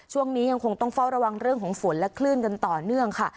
ช่วงนี้ยังคงต้องเฝ้าระวังเรื่องของฝนและคลื่นกันต่อเนื่องค่ะ